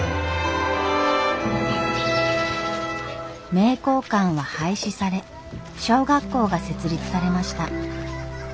名教館は廃止され小学校が設立されました。